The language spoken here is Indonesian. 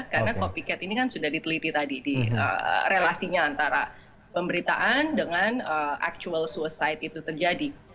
karena copycat ini kan sudah diteliti tadi di relasinya antara pemberitaan dengan actual suicide itu terjadi